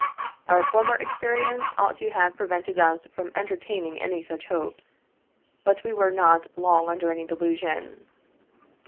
Our former experience ought to have prevented us from entertaining any such hopes, but we were not long under any delusion.